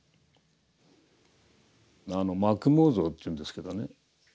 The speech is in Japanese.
「莫妄想」って言うんですけどね